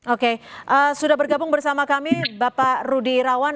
oke sudah bergabung bersama kami bapak rudy irawan